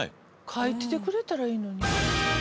書いててくれたらいいのに。